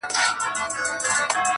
زه په تیارو کي چي ډېوه ستایمه-